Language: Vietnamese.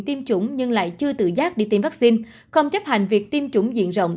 tiêm chủng nhưng lại chưa tự giác đi tiêm vaccine không chấp hành việc tiêm chủng diện rộng